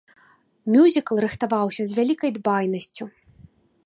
Мюзікл рыхтаваўся з вялікай дбайнасцю.